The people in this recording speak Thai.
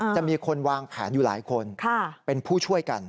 จะมีคนวางแผนอยู่หลายคนเป็นผู้ช่วยกัน